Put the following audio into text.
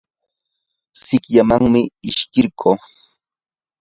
sikyaman ishkirquu.